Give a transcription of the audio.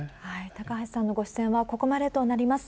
高橋さんのご出演はここまでとなります。